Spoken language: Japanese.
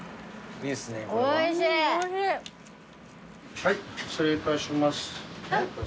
はい失礼いたします。